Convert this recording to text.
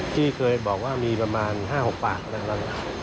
ที่เคยบอกว่ามีประมาณ๕๖ปากนะครับ